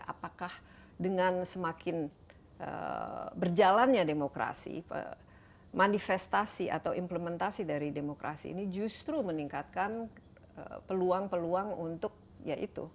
apakah dengan semakin berjalannya demokrasi manifestasi atau implementasi dari demokrasi ini justru meningkatkan peluang peluang untuk ya itu